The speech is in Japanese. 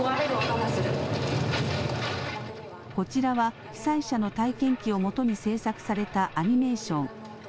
こちらは被災者の体験記をもとに制作されたアニメーション。